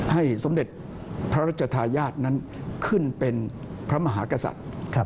สมเด็จพระราชทายาทนั้นขึ้นเป็นพระมหากษัตริย์